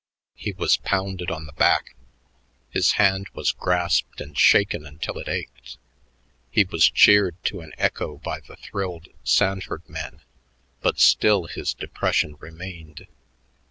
He was pounded on the back; his hand was grasped and shaken until it ached; he was cheered to an echo by the thrilled Sanford men; but still his depression remained.